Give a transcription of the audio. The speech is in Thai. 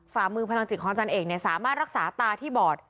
ฝ่ามือพลังจิตของอาจารย์เอกเนี่ยสามารถรักษาตาที่บอด